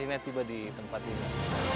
akhirnya tiba di tempat ini